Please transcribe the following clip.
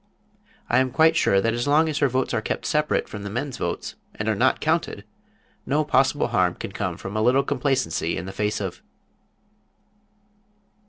I am quite sure that as long as her votes are kept separate from the men's votes, and are not counted, no possible harm can come from a little complacency in the face of